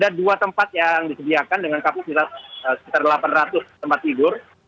ada dua tempat yang disediakan dengan kapasitas sekitar delapan ratus tempat tidur